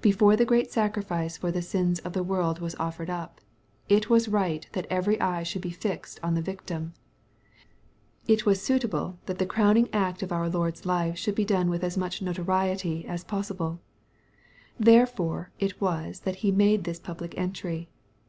Before the great sacrifice for the sins of the world was off'ered up, it was right that every eye should be fixed on the victim. It was suitable that the crowning act of our Lord's life should be done with as much notoriety as possible. Therefore it was that He made this public entry.